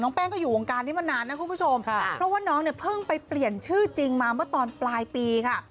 แป้งก็อยู่วงการนี้มานานนะคุณผู้ชมเพราะว่าน้องเนี่ยเพิ่งไปเปลี่ยนชื่อจริงมาเมื่อตอนปลายปีค่ะ